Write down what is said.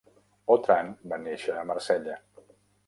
Autran va néixer a Marsella.